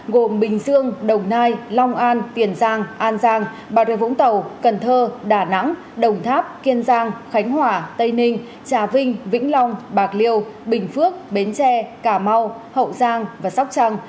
gồm bình dương đồng nai long an tiền giang an giang bà rê vũng tàu cần thơ đà nẵng đồng tháp kiên giang khánh hòa tây ninh trà vinh vĩnh long bạc liêu bình phước bến tre cà mau hậu giang và sóc trăng